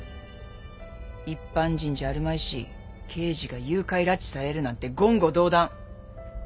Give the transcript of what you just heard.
一般人じゃあるまいし刑事が誘拐拉致されるなんて言語道断。